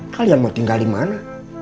kalian mau tinggal dimana